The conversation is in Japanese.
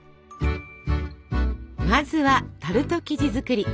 まずはタルト生地作り。